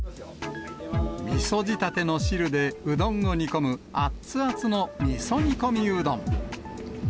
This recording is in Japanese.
みそ仕立ての汁でうどんを煮込む熱々のみそ煮込みうどん。